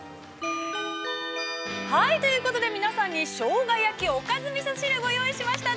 ◆はい、ということで皆さんに、しょうが焼きおかずみそ汁ご用意しました。